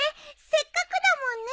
せっかくだもんね。